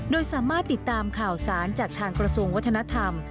โดยสามารถติดตามข่าวสารจากทางกระทรวงวัฒนธรรม